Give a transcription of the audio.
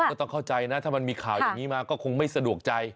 ก็ต้องเข้าใจนะถ้ามันมีข่าวอย่างนี้มาก็คงไม่สะดวกใจ